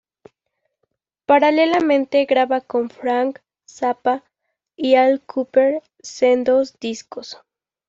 Paralelamente, graba con Frank Zappa y Al Kooper, sendos discos.